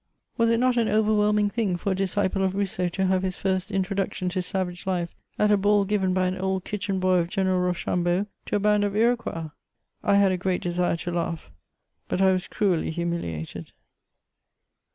Was it not an overwhelming thing for a discijde of Rousseau to have his first introduction to savage life, at a ball given by an old kitchen boy of General Rochambeau, to a band of Iroquois ? I had a great desire to laugh, but I was cruelly humiliated.